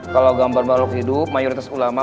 kalau gambar makhluk hidup mayoritas ulama